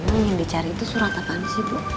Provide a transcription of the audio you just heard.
ini yang dicari itu surat apaan sih bu